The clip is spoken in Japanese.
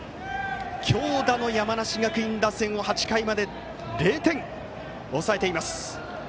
強打の山梨学院打線を８回まで０点に抑えています。